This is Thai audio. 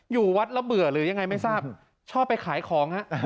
อยู่วัดแล้วเบื่อหรือยังไงไม่ทราบชอบไปขายของฮะ